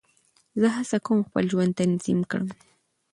زه هڅه کوم خپل ژوند تنظیم کړم.